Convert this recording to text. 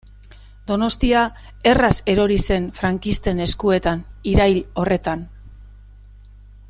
Donostia erraz erori zen frankisten eskuetan irail horretan.